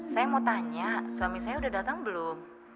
suami saya udah datang belum